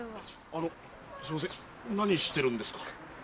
あのすいません何してるんですか？